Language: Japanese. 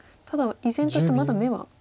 ただ依然としてまだ眼は。